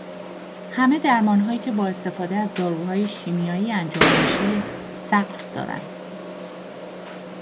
همهِ درمانهایی که با استفاده از داروهای شیمیایی انجام میشه سَقف دارن